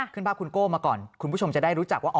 ภาพคุณโก้มาก่อนคุณผู้ชมจะได้รู้จักว่า